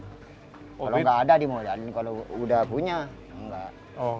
kalau nggak ada dimodalin kalau udah punya nggak